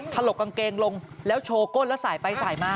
ถลกกางเกงลงแล้วโชว์ก้นแล้วสายไปสายมา